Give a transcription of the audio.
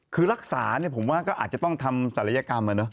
คือรักษาเนี่ยผมว่าก็อาจจะต้องทำศัลยกรรม